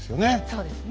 そうですね。